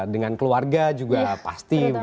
dengan keluarga juga pasti